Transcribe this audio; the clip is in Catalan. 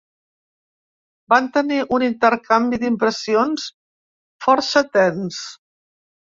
Van tenir un intercanvi d’impressions força tens.